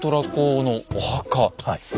はい。